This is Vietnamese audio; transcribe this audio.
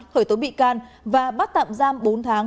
khởi tố bị can và bắt tạm giam bốn tháng